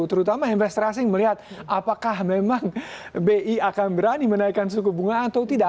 terutama investor asing melihat apakah memang bi akan berani menaikkan suku bunga atau tidak